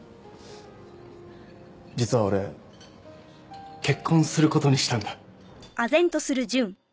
実は俺結婚することにしたんだ。